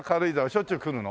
しょっちゅう来るの？